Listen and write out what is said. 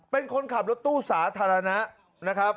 เป็นคนขับรถตู้สาธารณะ